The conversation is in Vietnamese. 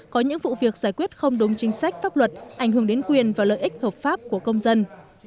có những vụ việc giải quyết không đúng chính sách pháp luật ảnh hưởng đến quyền và lợi ích hợp pháp của công dân